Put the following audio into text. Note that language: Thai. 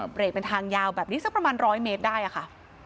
เบรกเป็นทางยาวแบบนี้สักประมาณ๑๐๐เมตรได้ค่ะ